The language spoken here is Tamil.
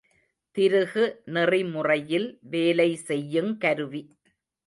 திருகு நெறிமுறையில் வேலை செய்யுங் கருவி.